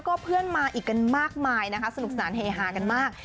ก็เพื่อนมาอีกกันมากมายนะคะสนุกสนานเฮฮากันมาก